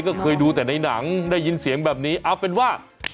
ก็เคยดูแต่ในหนังได้ยินเสียงแบบนี้เอาเป็นว่า